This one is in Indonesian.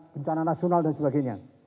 bencana nasional dan sebagainya